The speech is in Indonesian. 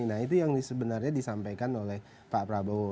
nah itu yang sebenarnya disampaikan oleh pak prabowo